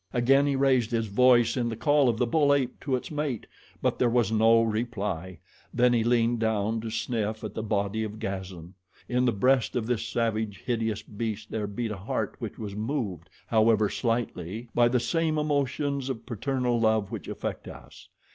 Again he raised his voice in the call of the bull ape to its mate, but there was no reply; then he leaned down to sniff at the body of Gazan. In the breast of this savage, hideous beast there beat a heart which was moved, however slightly, by the same emotions of paternal love which affect us.